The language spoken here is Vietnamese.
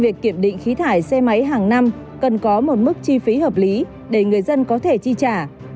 việc kiểm định khí thải xe máy hàng năm cần có một mức chi phí hợp lý để người dân có thể chi trả